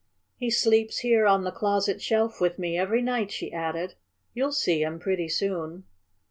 "He sleeps here on the closet shelf with me every night," she added. "You'll see him, pretty soon!"